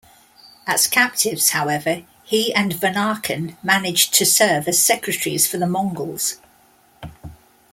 As captives, however, he and Vanakan managed to serve as secretaries for the Mongols.